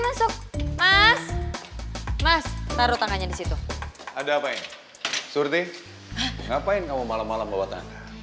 masuk mas mas mas taruh tangannya di situ ada apaan surti ngapain kamu malam malam bawa tanda